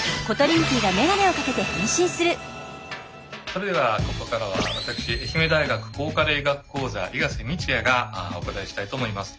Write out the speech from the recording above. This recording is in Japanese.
それではここからは私愛媛大学抗加齢医学講座伊賀瀬道也がお答えしたいと思います。